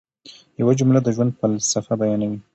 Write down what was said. یوه جمله د ژوند فلسفه بیانوي.